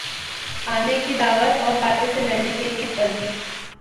آنے کی دعوت اور باطل سے لڑنے کے لیے فردی